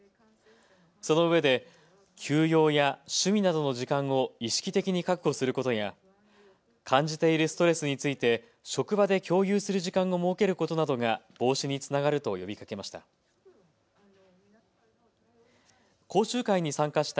そのうえで休養や趣味などの時間を意識的に確保することや感じているストレスについて職場で共有する時間を設けることなどが防止につながると呼びかけました。